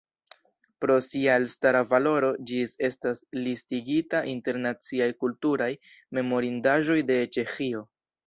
Pro sia elstara valoro ĝis estas listigita inter Naciaj kulturaj memorindaĵoj de Ĉeĥio.